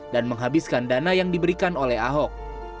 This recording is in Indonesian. dan menghabiskan dana yang diberikan oleh ahok